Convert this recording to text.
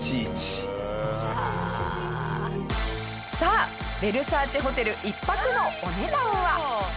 さあヴェルサーチェホテル１泊のお値段は？